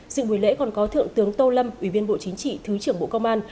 dự buổi lễ còn có thượng tướng tô lâm ủy viên bộ chính trị thứ trưởng bộ công an